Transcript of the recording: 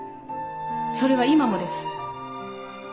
それは今もです。